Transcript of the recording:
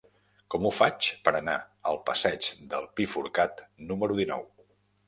Com ho faig per anar al passeig del Pi Forcat número dinou?